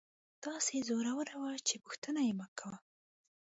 داسې زړوره وه چې پوښتنه یې مکوه.